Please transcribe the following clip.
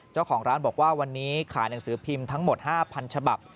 เจ้าของร้านบอกว่าวันนี้ขายหนังสือพิมพ์ทั้งหมด๕๐๐ฉบับ